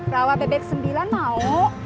rawa bebek sembilan mau